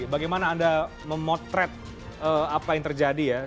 bagaimana anda memotret apa yang terjadi ya